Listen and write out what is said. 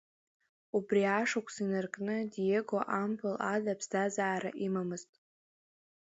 Убри ашықәс инаркны Диего ампыл ада ԥсҭазаара имамзт.